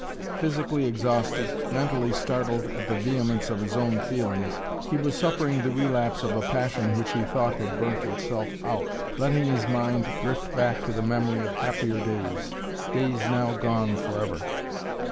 Physically exhausted, mentally startled at the vehemence of his own feelings, he was suffering the relapse of a passion which he thought had burnt itself out, letting his mind drift back to the memory of happier days days now gone forever.